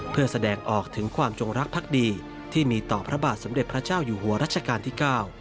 เพื่อแสดงออกถึงความจงรักภักดีที่มีต่อพระบาทสมเด็จพระเจ้าอยู่หัวรัชกาลที่เก้า